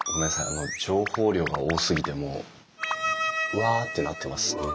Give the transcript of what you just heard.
あの情報量が多すぎてもううわってなってます。